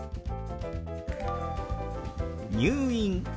「入院」。